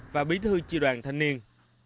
và bí thư tri đoàn thanh niên